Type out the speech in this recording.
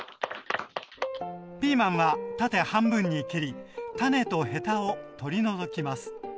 ピーマンは縦半分に切り種とヘタを取り除きます。